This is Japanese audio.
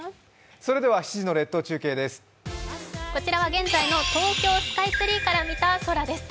現在の東京スカイツリーから見た空です。